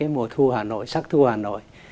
mùa thu hà nội sắc thu hà nội